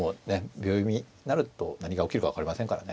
秒読みになると何が起きるか分かりませんからね。